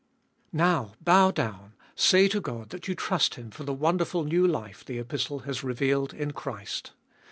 1. Now, bow down, say to God that you trust Him for the wonderful new life the Epistle has revealed in Christ.